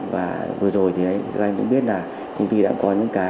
và vừa rồi thì các anh cũng biết là công ty đã có những cái